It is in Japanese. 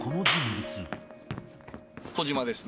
小島ですね。